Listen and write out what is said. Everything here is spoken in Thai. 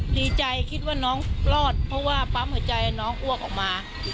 ดีใจคิดว่าน้องรอดเพราะว่าปั๊มหัวใจน้องอ้วกออกมา